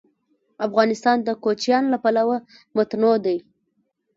افغانستان د کوچیان له پلوه متنوع دی.